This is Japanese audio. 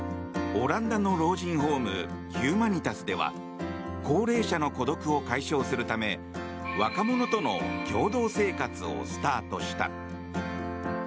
オランダの老人ホームヒューマニタスでは高齢者の孤独を解消するため若者との共同生活をスタートした。